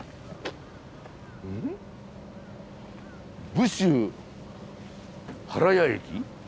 「武州原谷駅」？